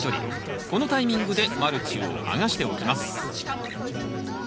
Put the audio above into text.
このタイミングでマルチを剥がしておきます。